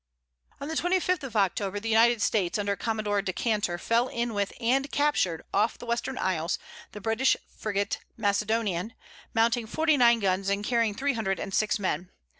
On the 25th of October, the United States under Commodore Decater, fell in with and captured, off the Western Isles, the British frigate Macedonian, mounting forty nine guns and carrying three hundred and six men.